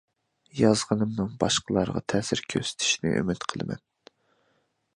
يازغىنىمنىڭ باشقىلارغا تەسىر كۆرسىتىشىنى ئۈمىد قىلىمەن.